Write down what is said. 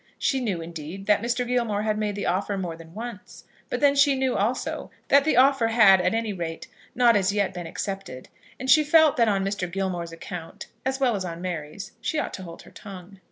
She knew indeed that Mr. Gilmore had made the offer more than once; but then she knew also that the offer had at any rate not as yet been accepted, and she felt that on Mr. Gilmore's account as well as on Mary's she ought to hold her tongue.